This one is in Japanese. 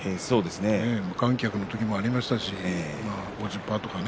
無観客となりましたし５０％とかね。